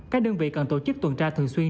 các đơn vị cần tổ chức tuần tra thường xuyên